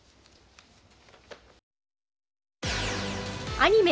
アニメ